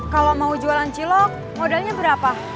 kalau mau jualan cilok modalnya berapa